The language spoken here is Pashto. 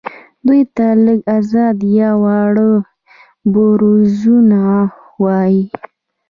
دوی ته لږ ازاد یا واړه بوروژوا وايي.